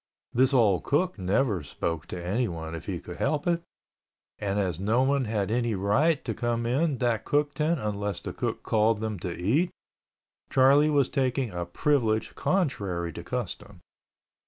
This old cook never spoke to anyone if he could help it, and as nobody had any right to come in that cook tent unless the cook called them to eat, Charlie was taking a privilege contrary to custom.